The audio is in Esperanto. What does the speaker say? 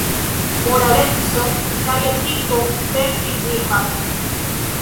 Moraleco kaj etiko sensignifas.